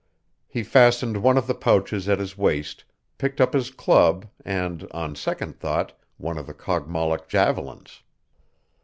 He fastened one of the pouches at his waist, picked up his club, and on second thought one of the Kogmollock javelins.